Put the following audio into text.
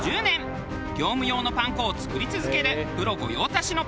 業務用のパン粉を作り続けるプロ御用達のパン粉メーカー。